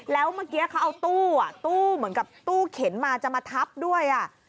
แล้วเมื่อกี้เขาเอาตู้อ่ะตู้เหมือนกับตู้เข็นมาจะมาทับด้วย